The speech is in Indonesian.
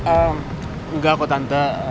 enggak kok tante